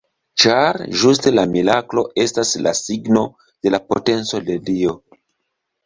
Ĉar ĝuste la miraklo estas la signo de la potenco de Dio.